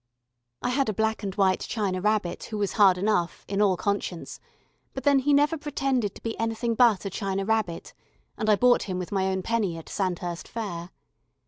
I had a black and white china rabbit who was hard enough, in all conscience, but then he never pretended to be anything but a china rabbit, and I bought him with my own penny at Sandhurst Fair.